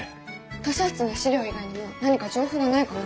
図書室の史料以外にも何か情報はないかな？